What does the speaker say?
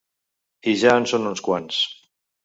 I ja en són uns quants.